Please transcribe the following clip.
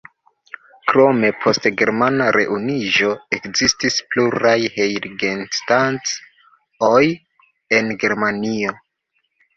Krome, post germana reunuiĝo, ekzistis pluraj Heiligenstadt-oj en Germanio.